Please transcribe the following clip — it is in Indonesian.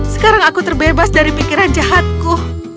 sekarang aku terbebas dari pikiran jahatku